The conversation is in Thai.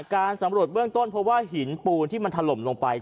การสำรวจเบื้องต้นเพราะว่าหินปูนที่มันถล่มลงไป